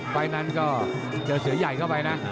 ไฟล์นั้นก็เจอเสือใหญ่เข้าไปนะ